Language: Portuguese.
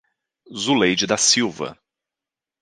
Zuleide da Silva